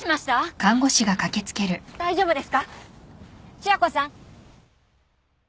千夜子さん。